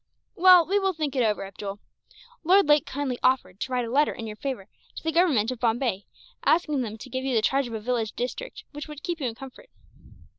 "Well, we will think it over, Abdool. Lord Lake kindly offered to write a letter in your favour to the Government of Bombay, asking them to give you the charge of a village district, which would keep you in comfort."